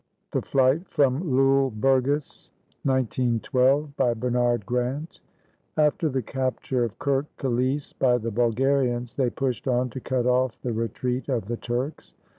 THE FLIGHT FROM LULE BURGAS BY BERNARD GRANT [After the capture of Kirk Kilisse by the Bulgarians, they pushed on to cut ofif the retreat of the Turks.